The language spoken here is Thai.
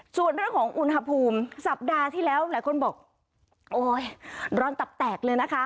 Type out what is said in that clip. ส่วนเรื่องของอุณหภูมิสัปดาห์ที่แล้วหลายคนบอกโอ๊ยร้อนตับแตกเลยนะคะ